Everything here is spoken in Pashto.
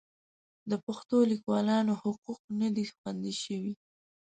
د پښتو لیکوالانو حقوق نه دي خوندي شوي.